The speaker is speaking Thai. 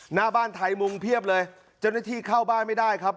หน้าบ้านไทยมุงเพียบเลยเจ้าหน้าที่เข้าบ้านไม่ได้ครับ